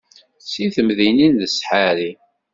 Si temdinin d ssḥari.